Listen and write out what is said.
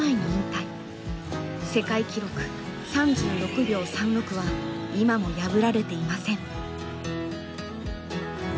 世界記録３６秒３６は今も破られていません。